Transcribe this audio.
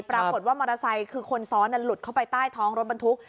ปรากฏว่ามอเตอร์ไซค์คือคนซ้อนหลุดเข้าไปใต้ท้องรถบรรทุก